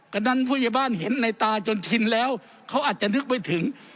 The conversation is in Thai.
กันนั้นผู้ยบาลเห็นในตาจนชินแล้วเขาอาจจะนึกไปถึง